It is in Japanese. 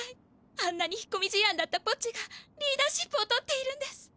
あんなに引っこみじあんだったポッチがリーダーシップを取っているんです。